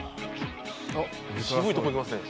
「渋いとこいきますね。